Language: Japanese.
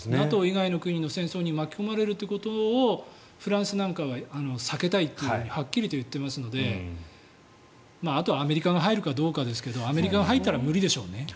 ＮＡＴＯ以外の国の戦争に巻き込まれるということをフランスなんかは避けたいとはっきりと言っていますのであと、アメリカが入るかどうかですけどアメリカが入ったら無理でしょうね。